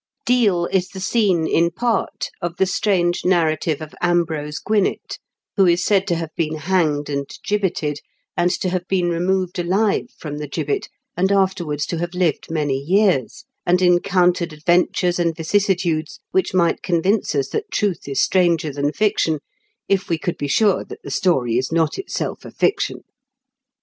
Deal is the scene, in part, of the strange narrative of Ambrose Gwinett, who is said to have been hanged and gibbeted, and to have been removed alive from the gibbet, and after wards to have lived many years, and en countered adventures and vicissitudes which might convince us that truth is stranger than fiction if we could be sure that the story is not itself a fiction.